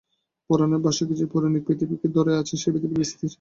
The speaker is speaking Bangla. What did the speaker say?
পুরাণের বাসুকী যে পৌরাণিক পৃথিবীকে ধরে আছে সে পৃথিবী স্থির।